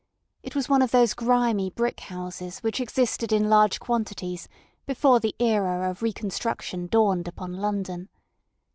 It was one of those grimy brick houses which existed in large quantities before the era of reconstruction dawned upon London.